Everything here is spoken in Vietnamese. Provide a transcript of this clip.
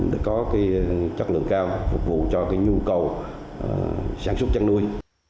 để có cái chất lượng cao phục vụ cho cái nhu cầu sản xuất chăn nuôi